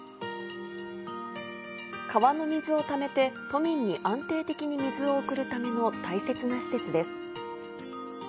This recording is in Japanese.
川の水をためて、都民に安定的に水を送るための大切な施設です。